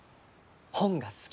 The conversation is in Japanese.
本が好き。